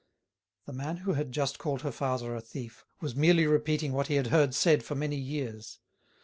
The man who had just called her father a thief was merely repeating what he had heard said for many years.